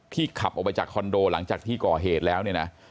ขับออกไปจากคอนโดหลังจากที่ก่อเหตุแล้วเนี่ยนะ